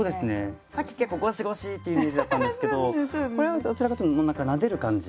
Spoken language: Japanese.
さっき結構ごしごしってイメージだったんですけどこれはどちらかというともう何かなでる感じ。